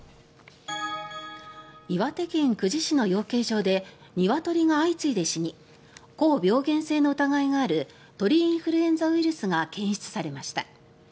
岩手県久慈市の養鶏場でニワトリが相次いで死に高病原性の疑いがある鳥インフルエンザウイルスが検出されました。